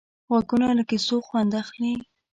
غوږونه له کیسو خوند اخلي